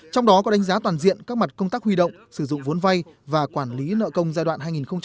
trong đó có đánh giá toàn diện các mặt công tác huy động sử dụng vốn vay và quản lý nợ công giai đoạn hai nghìn một mươi sáu hai nghìn hai mươi